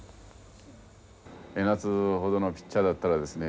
江夏ほどのピッチャーだったらですね